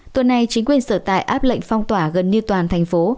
tuần này chính quyền sở tại áp lệnh phong tỏa gần như toàn thành phố